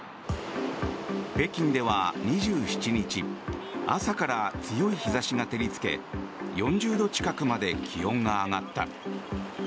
北京では２７日朝から強い日差しが照りつけ４０度近くまで気温が上がった。